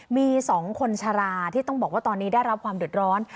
มี๒คนชะลาที่ต้องบอกว่าตอนนี้ได้รับความเดือดร้อน